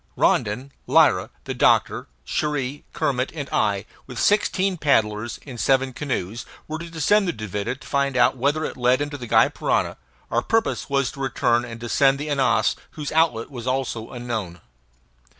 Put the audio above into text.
Rondon, Lyra, the doctor, Cherrie, Kermit, and I, with sixteen paddlers, in seven canoes, were to descend the Duvida, and find out whether it led into the Gy Parana, our purpose was to return and descend the Ananas, whose outlet was also unknown.